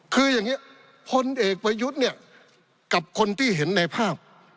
คืออย่างนี้พลเอกประยุทธ์เนี่ยกับคนที่เห็นในภาพ